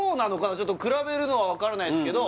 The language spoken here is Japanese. ちょっと比べるのは分からないですけど